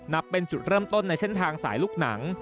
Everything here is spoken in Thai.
นับเป็นจุดเริ่มต้นในเส้นทางสายลูกหนัง